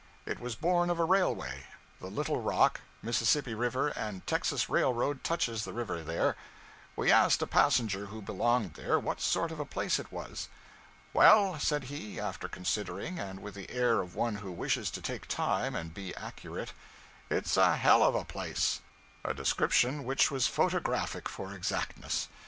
It was born of a railway; the Little Rock, Mississippi River and Texas Railroad touches the river there. We asked a passenger who belonged there what sort of a place it was. 'Well,' said he, after considering, and with the air of one who wishes to take time and be accurate, 'It's a hell of a place.' A description which was photographic for exactness.